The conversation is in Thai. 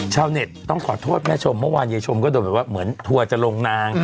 ชาวเน็ตต้องขอโทษแม่ชมเมื่อวานยายชมก็โดนแบบว่าเหมือนทัวร์จะลงนาง